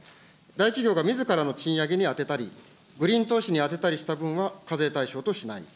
大企業がみずからの賃上げに充てたり、グリーン投資に充てたりした分に対しては、課税対象としない。